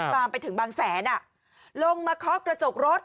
ขับตามไปถึงบางแสนลงมาคลอกกระจกรถ